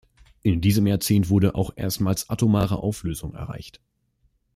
In diesem Jahrzehnt wurde auch erstmals atomare Auflösung erreicht.